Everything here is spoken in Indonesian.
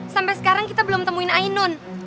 sampai sekarang kita belum temuin ainun